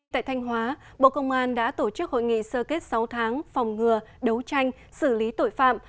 tại thanh hóa bộ công an đã tổ chức hội nghị sơ kết sáu tháng phòng ngừa đấu tranh xử lý tội phạm